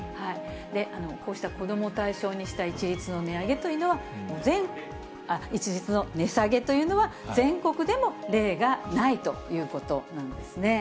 こうした子どもを対象にした一律の値下げというのは、全国でも例がないということなんですね。